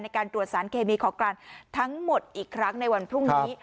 ในการตรวจสารเคมีของกลางทั้งหมดอีกครั้งในวันพรุ่งนี้